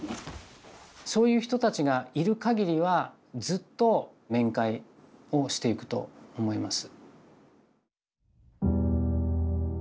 そういう人たちがいるかぎりはずっと面会をしていくと思います。